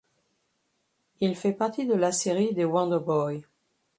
Il fait partie de la série des Wonder Boy.